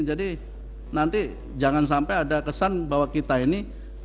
jadi nanti jangan sampai ada kesan bahwa kita ini